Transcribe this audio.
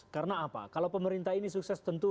karena apa kalau pemerintah ini sukses tentu